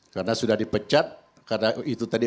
karena sudah dipecat karena itu tadi